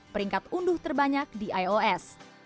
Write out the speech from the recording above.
peringkat unduh terbanyak di ios